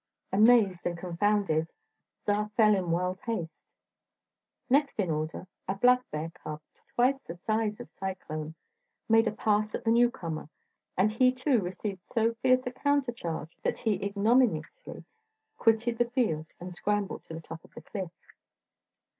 Amazed and confounded, Czar fled in wild haste. Next in order, a black bear cub, twice the size of Cyclone, made a pass at the newcomer, and he too received so fierce a countercharge that he ignominiously quitted the field and scrambled to the top of the cliff.